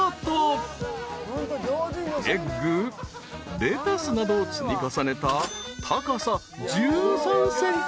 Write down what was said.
［エッグレタスなどを積み重ねた高さ１３ｃｍ］